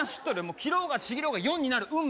切ろうがちぎろうが４になる運命